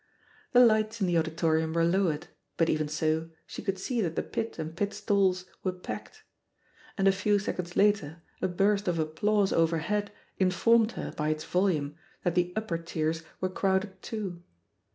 The lights in the auditorium were lowered ; but even so, she could see that the pit and pit stalls were packed; and a few seconds later a burst of applause over head informed her, by its volume, that the upper tiers were crowded too.